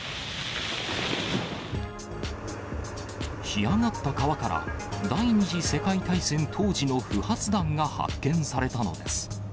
干上がった川から、第２次世界大戦当時の不発弾が発見されたのです。